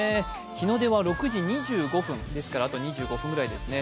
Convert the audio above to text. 日の出は６時２５分ですからあと２５分ぐらいですね。